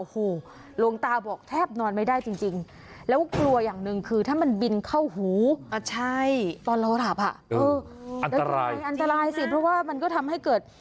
โอ้โหหลวงตาบอกแทบนอนไม่ได้จริงแล้วกลัวอย่างหนึ่งคือถ้ามันบินเข้าหูอ่ะใช่ตอนเราหลับอ่ะเอออันตรายอันตรายสิเพราะว่ามันก็ทำให้เกิด